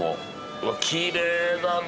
うわっきれいだな！